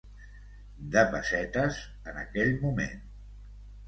De pessetes, en aquell moment.